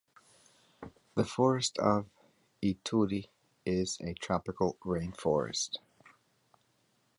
The forest of Ituri is a tropical rainforest.